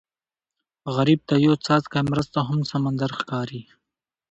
غریب ته یو څاڅکی مرسته هم سمندر ښکاري